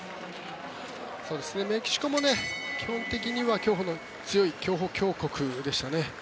メキシコも基本的には競歩の強い競歩強国でしたね。